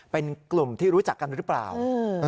เป็นกลุ่มที่รู้จักกันหรือเปล่า